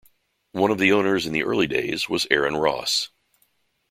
One of the owners in the early days was Aaron Ross.